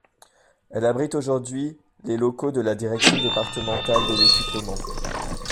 Elle abrite aujourd'hui les locaux de la Direction départementale de l'Équipement.